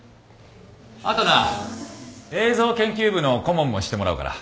あとな映像研究部の顧問もしてもらうから。